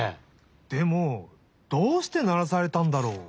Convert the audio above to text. でもどうしてならされたんだろう？